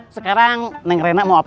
sekarang neng rena mau apa